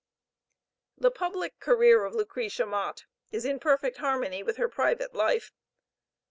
The public career of Lucretia Mott is in perfect harmony with her private life.